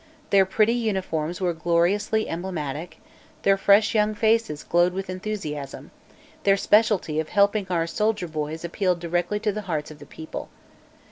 Their pretty uniforms were gloriously emblematic, their fresh young faces glowed with enthusiasm, their specialty of "helping our soldier boys" appealed directly to the hearts of the people.